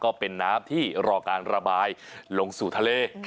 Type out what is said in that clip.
ก็เป็นน้ำที่รอการระบายลงสู่ทะเล